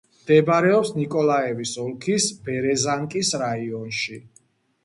მდებარეობს ნიკოლაევის ოლქის ბერეზანკის რაიონში.